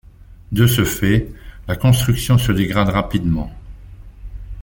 De ce fait, la construction se dégrade rapidement.